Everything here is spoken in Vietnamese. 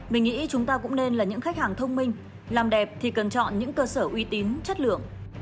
mình nghĩ chúng ta cũng nên là những khách hàng thông minh làm đẹp thì cần chọn những cơ sở uy tín chất lượng